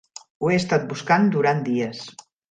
Ho he estat buscant durant dies.